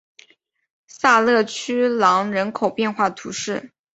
萨勒屈朗人口变化图示